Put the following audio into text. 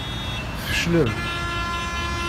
Tfeclem.